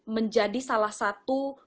menjadi salah satu